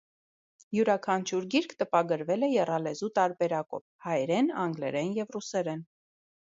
Յուրաքանչյուր գիրք տպագրվել է եռալեզու տարբերակով՝ հայերեն, անգլերեն և ռուսերեն։